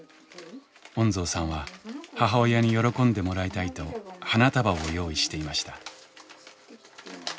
恩蔵さんは母親に喜んでもらいたいと花束を用意していました。